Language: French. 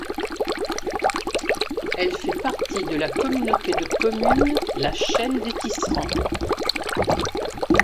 Elle fait partie de la Communauté de communes La Chaîne des Tisserands.